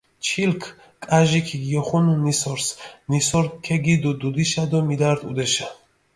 ჩილქ კაჟი ქიგიოხუნუ ნისორს, ნისორი ქეგიდუ დუდიშა დო მიდართჷ ჸუდეშა.